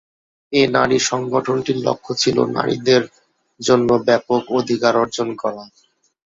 এ নারী সংগঠনটির লক্ষ্য ছিল নারীদের জন্য ব্যাপক অধিকার অর্জন করা।